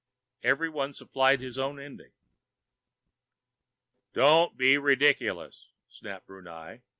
Everyone supplied his own ending. "Don't be ridiculous!" snapped Brunei.